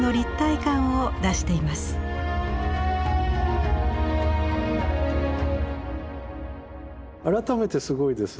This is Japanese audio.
改めてすごいですね。